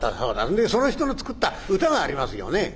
「でその人の作った歌がありますよね？」。